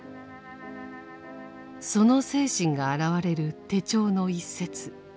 その精神があらわれる手帳の一節。